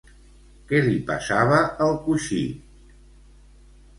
Què li passava al coixí?